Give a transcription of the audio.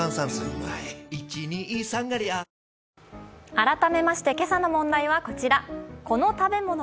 改めまして今朝の問題はこちら。